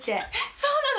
そうなの？